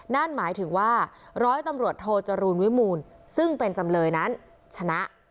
นั่นหมายถึงว่าร้อยตำรวจโทจรูลวิมูลซึ่งเป็นจำเลยนั้นชนะ